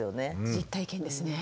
実体験ですね。